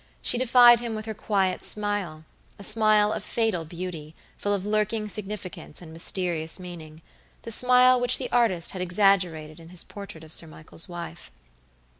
She defied him with her quiet smilea smile of fatal beauty, full of lurking significance and mysterious meaningthe smile which the artist had exaggerated in his portrait of Sir Michael's wife.